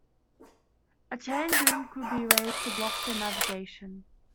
A chain boom could be raised to block the navigation.